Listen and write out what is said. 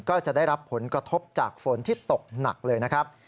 ก็จะได้รับผลกระทบจากฝนที่ตกหนักเลยนะครับ